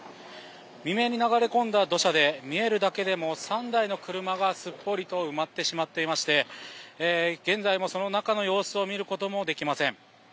未明に流れ込んだ土砂で見えるだけでも３台の車が、すっぽりと埋まってしまっていまして現在もその中の様子を見ることもできません。